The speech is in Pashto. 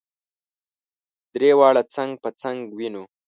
درې واړه څنګ په څنګ وینو.